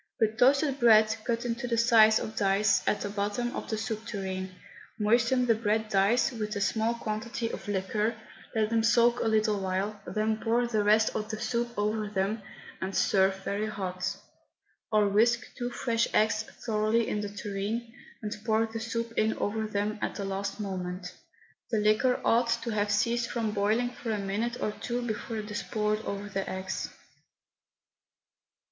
Put toasted bread, cut into the size of dice, at the bottom of the soup tureen. Moisten the bread dice with a small quantity of the liquor, let them soak a little while, then pour the rest of the soup over them, and serve very hot. Or whisk two fresh eggs thoroughly in the tureen, and pour the soup in over them at the last moment. The liquor ought to have ceased from boiling for a minute or two before it is poured over the eggs.